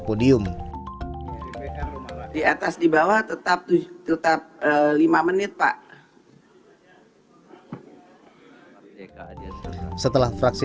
dpr ri puan maharani